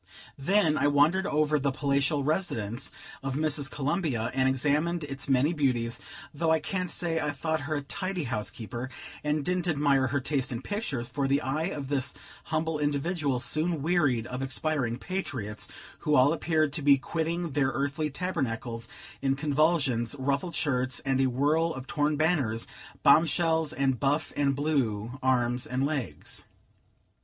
Then I wandered over the "palatial residence" of Mrs. Columbia, and examined its many beauties, though I can't say I thought her a tidy housekeeper, and didn't admire her taste in pictures, for the eye of this humble individual soon wearied of expiring patriots, who all appeared to be quitting their earthly tabernacles in convulsions, ruffled shirts, and a whirl of torn banners, bomb shells, and buff and blue arms and legs.